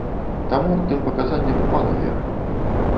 Таму тым паказанням мала веры.